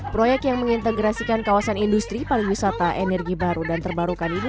proyek yang mengintegrasikan kawasan industri pariwisata energi baru dan terbarukan ini